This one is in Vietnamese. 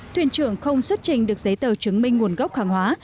thuyền trưởng không xuất trình được giấy tờ chứng minh nguồn gốc hàng hóa